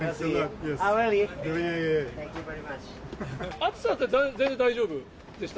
暑さって全然大丈夫でした？